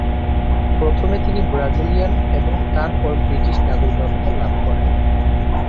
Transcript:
প্রথমে তিনি ব্রাজিলিয়ান এবং তারপর ব্রিটিশ নাগরিকত্ব লাভ করেন।